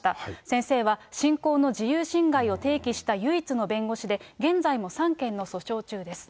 先生は信仰の自由侵害を提起した唯一の弁護士で、現在も３件の訴訟中です。